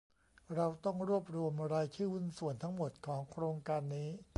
เราต้องรวบรวมรายชื่อหุ้นส่วนทั้งหมดของโครงการนี้